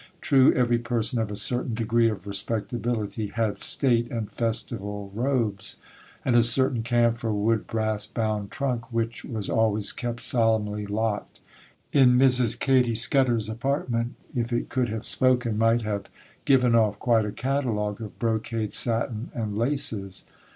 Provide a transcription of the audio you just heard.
True, every person of a certain degree of respectability had state and festival robes; and a certain camphor wood brass bound trunk, which was always kept solemnly locked in Mrs. Katy Scudder's apartment, if it could have spoken, might have given off quite a catalogue of brocade satin and laces.